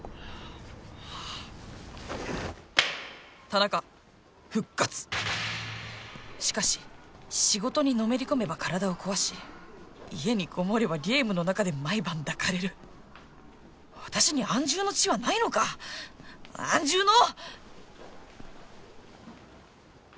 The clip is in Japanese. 田中復活しかし仕事にのめり込めば体を壊し家にこもればゲームの中で毎晩抱かれる私に安住の地はないのか安住の！